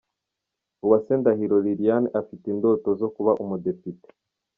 Uwase Ndahiro Liliane afite indoto zo kuba umudepite.